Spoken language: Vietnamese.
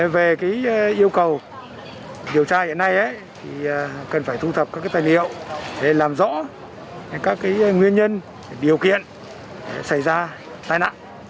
về yêu cầu điều tra hiện nay cần phải thu thập các tài liệu để làm rõ các nguyên nhân điều kiện xảy ra tai nạn